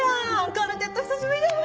カルテット久しぶりだわ！